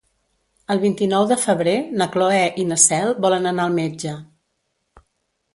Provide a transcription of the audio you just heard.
El vint-i-nou de febrer na Cloè i na Cel volen anar al metge.